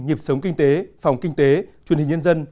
nhịp sống kinh tế phòng kinh tế truyền hình nhân dân